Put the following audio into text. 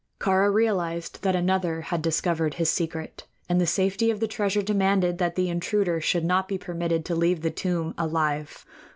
Kāra realized that another had discovered his secret, and the safety of the treasure demanded that the intruder should not be permitted to leave the tomb alive.